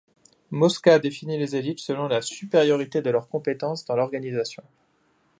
Mosca définit les élites selon la supériorité de leurs compétences dans l'organisation.